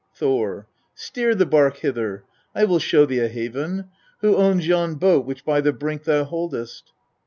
Thor. 7. Steer the bark hither ! I will show thee a haven. Who owns yon boat which by the brink thou boldest